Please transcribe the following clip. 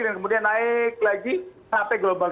dan kemudian naik lagi sampai gelombang dua